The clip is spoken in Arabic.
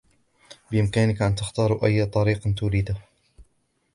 بإمكانك أن تختار أيّ طريق تريده.